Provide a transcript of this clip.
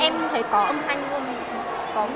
em thấy có âm thanh luôn